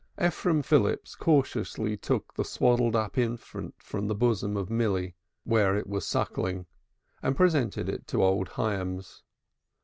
Ephraim Phillips cautiously took the swaddled up infant from the bosom of Milly where it was suckling and presented it to old Hyams.